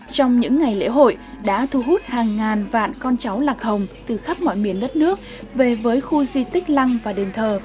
trong những ngày lễ hội đã thu hút hàng ngàn vạn con cháu lạc hồng từ khắp mọi miền đất nước về với khu di tích lăng và đền thờ